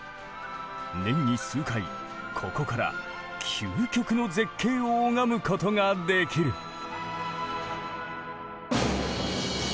年に数回ここから究極の絶景を拝むことができる。